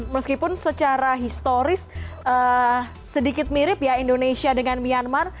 meskipun secara historis sedikit mirip ya indonesia dengan myanmar